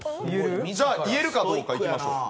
じゃあ言えるかどうかいきましょう。